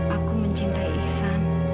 aku mencintai isa